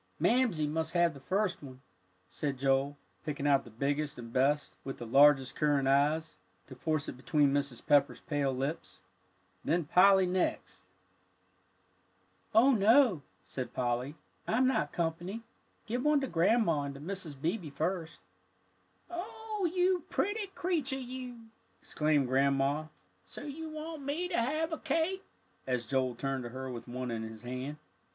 "Mamsie must have the first one," said Joel, picking out the biggest and best, with the largest currant eyes, to force it between Mrs. Pepper's pale lips, "then Polly next." "Oh, no, Joe," said Polly, "I'm not company. Give one to Grandma and to Mrs. Beebe first." "Oh, you pretty creature you!" exclaimed Grandma. "So you want me to have a cake?" as Joel turned to her with one in his hand.